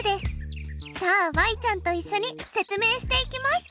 さあちゃんといっしょに説明していきます。